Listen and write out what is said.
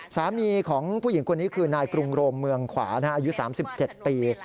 สามีของผู้หญิงคนนี้คือนายกรุงโรมเมืองขวาอายุ๓๗ปี